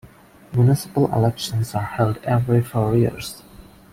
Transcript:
Municipal elections are held every four years.